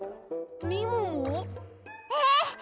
みもも？え？